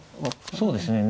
そうですね。